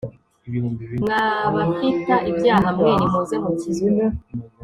mwa bafita ibyaha mwe, nimuze, mukizwe